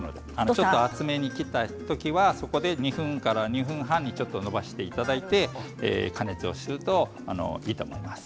ちょっと厚めに切ったときは２分から２分半に延ばしていただいて加熱をするといいと思います。